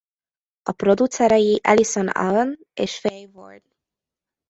A producerei Alison Owen és Faye Ward.